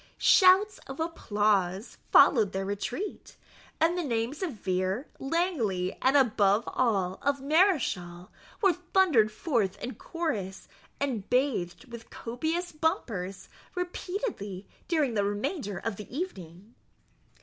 Shouts of applause followed their retreat; and the names of Vere, Langley, and, above all, of Mareschal, were thundered forth in chorus, and bathed with copious bumpers repeatedly, during the remainder of the evening.